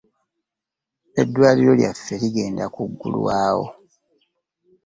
Eddwaliro lyaffe ligenda kugulwawo.